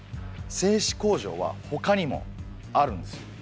製糸工場はほかにもあるんですよ。